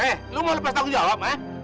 eh lu mau lepas tanggung jawab ya